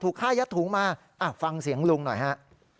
ฆ่ายัดถุงมาฟังเสียงลุงหน่อยฮะ